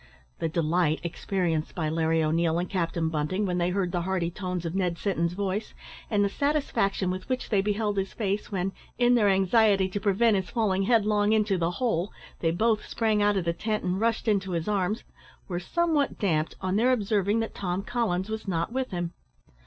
The delight experienced by Larry O'Neil and Captain Bunting, when they heard the hearty tones of Ned Sinton's voice, and the satisfaction with which they beheld his face, when, in their anxiety to prevent his falling headlong into "the hole," they both sprang out of the tent and rushed into his arms, were somewhat damped on their observing that Tom Collins was not with him.